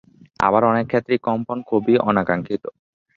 আবার অনেক ক্ষেত্রেই কম্পন খুবই অনাকাঙ্ক্ষিত।